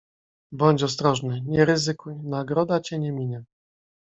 "Bądź ostrożny, nie ryzykuj, nagroda cię nie minie."